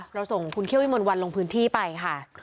เราส่งคุณเคี่ยววิมลวันลงพื้นที่ไปค่ะ